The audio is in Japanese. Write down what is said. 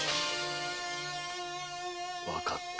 わかった。